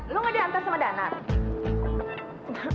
lo nggak diantar sama danar